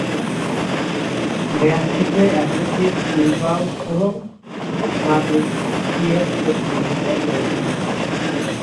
ম্যাচটিতে Athletic Bilbao এবং Madrid CF প্রতিদ্বন্দ্বিতা করেছিল।